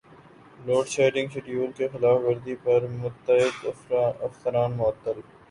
load shedding schedule کی خلاف ورزی پر متعدد افسران معطل